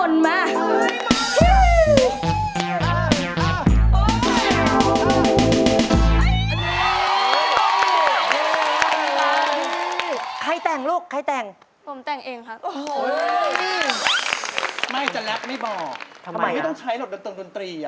ทำไมล่ะไม่ต้องใช้หลบดนตรี